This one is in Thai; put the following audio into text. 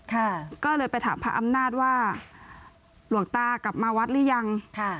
ค่ะก็เลยไปถามพระอำนาจว่าหลวงตากลับมาวัดหรือยังค่ะ